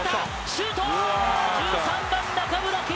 シュート！